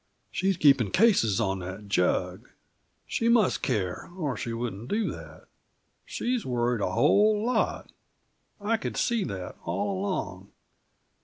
"She's keeping cases on that jug. She must care, or she wouldn't do that. She's worried a whole lot; I could see that, all along.